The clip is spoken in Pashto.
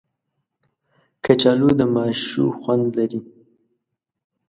کچالو د ماشو خوند لري